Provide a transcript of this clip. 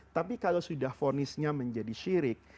tapi kalau sudah fonisnya menjadi sirik